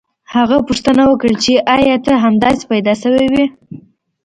هغه پوښتنه وکړه چې ایا ته همداسې پیدا شوی وې